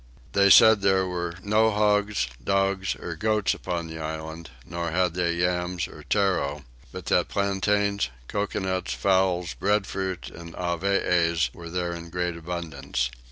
They said that there were no hogs, dogs, or goats upon the island, nor had they yams, or tarro; but that plantains, coconuts, fowls, breadfruit, and avees, were there in great abundance.